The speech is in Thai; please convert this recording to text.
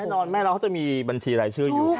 แน่นอนแม่เราเขาจะมีบัญชีรายชื่ออยู่